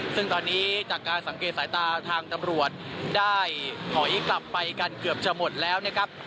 ซึ่งตอนนี้จากการสังเกตสายตาทางตำรวจได้ถอยกลับไปกันเกือบจะหมดแล้วนะครับ